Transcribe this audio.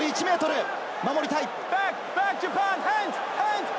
守りたい。